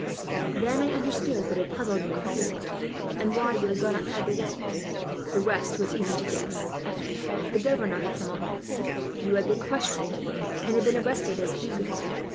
Then I understood what had puzzled me before, and what you had gone outside the walls for. "The rest was easy to guess. The governor had come along, you had been questioned, and had been arrested as a Huguenot.